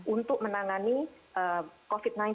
untuk menangani covid sembilan belas